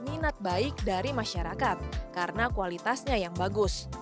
minat baik dari masyarakat karena kualitasnya yang bagus